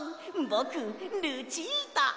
ぼくルチータ！